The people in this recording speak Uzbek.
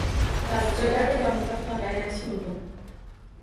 Baʼzi joylarda yomgʻir qorga aylanishi mumkin.